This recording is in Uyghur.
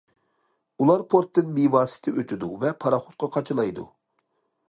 ئۇلار پورتتىن بىۋاسىتە ئۆتىدۇ ۋە پاراخوتقا قاچىلايدۇ.